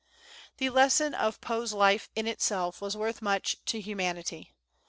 The lesson of Poe's life, in itself, was worth much to Humanity.